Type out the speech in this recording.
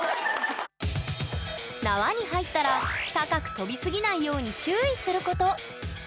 縄に入ったら高く跳びすぎないように注意すること。